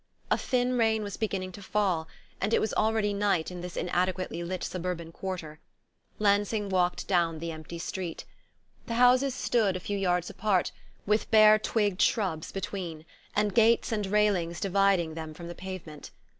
A thin rain was beginning to fall, and it was already night in this inadequately lit suburban quarter. Lansing walked down the empty street. The houses stood a few yards apart, with bare twigged shrubs between, and gates and railings dividing them from the pavement.